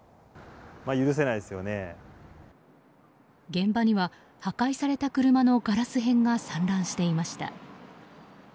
現場には、破壊された車のガラス片が散乱していました。